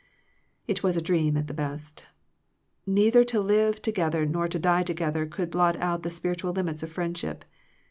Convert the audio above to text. It was a dream at the best. Neither to live together nor to die together could blot out the spiritual limits of friendship.